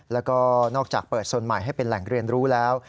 แล้วก็นอกจากเปิดโซนใหม่ให้เป็นแหล่งเรียนรู้แล้ว